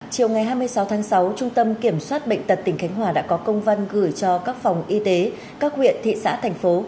chiều ngày hai mươi sáu tháng sáu trung tâm kiểm soát bệnh tật tỉnh khánh hòa đã có công văn gửi cho các phòng y tế các huyện thị xã thành phố